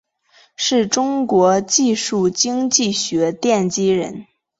是中国技术经济学奠基人。